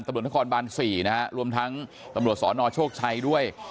ตำรวจนครบาน๔นะฮะรวมทั้งตำรวจสนโชคชัยด้วย